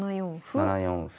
７四歩。